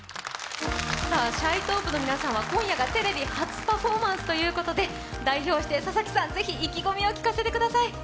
シャイトープの皆さんは今夜がテレビ初パフォーマンスということで、代表して佐々木さん、ぜひ意気込みを聞かせてください。